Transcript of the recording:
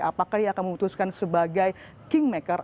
apakah dia akan memutuskan sebagai kingmaker